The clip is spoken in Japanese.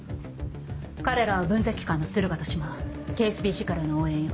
彼らは分析官の駿河と志摩ＫＳＢＣからの応援よ。